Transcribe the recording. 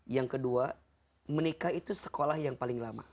yang kedua menikah itu sekolah yang paling lama